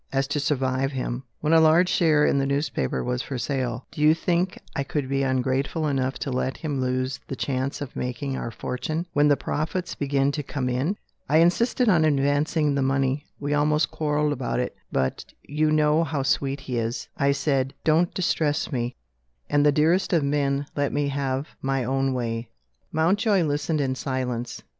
as to survive him. When a large share in the newspaper was for sale, do you think I could be ungrateful enough to let him lose the chance of making our fortune, when the profits begin to come in? I insisted on advancing the money we almost quarrelled about it but, you know how sweet he is. I said: 'Don't distress me'; and the dearest of men let me have my own way." Mountjoy listened in silence.